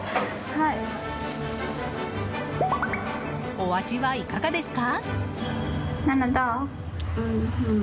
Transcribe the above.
お味はいかがですか？